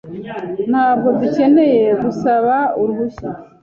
Ntabwo dukeneye gusaba uruhushya .